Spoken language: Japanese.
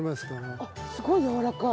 あっすごいやわらかい。